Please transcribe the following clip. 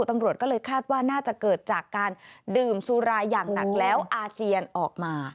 ตำรวจก็เลยคาดว่าน่าจะเกิดจากการดื่มสุราอย่างหนักแล้วอาเจียนออกมา